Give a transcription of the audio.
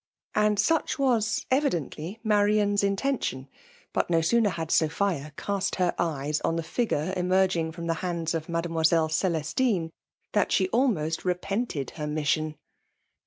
And ^uch'was . evidently Marian's intention; but no «pon^ had. Sophia cast her eyes on the figure enj^ergr ing from the hands of Mademoiselle Celestine, than she almost repented her mission.